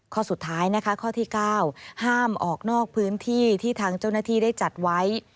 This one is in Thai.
ข้อสุดท้ายนะคะข้อที่๙ห้ามออกนอกพื้นที่ที่ทางเจ้าหน้าที่ได้จัดไว้